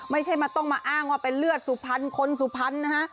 ไม่ใช่มาต้องมาอ้างว่าเป็นเลือดสุพรรณคนสุพรรณนะฮะ